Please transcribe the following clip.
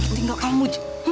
ngerti gak kamu